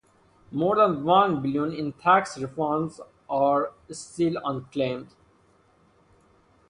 More than one billion in tax refunds are still unclaimed.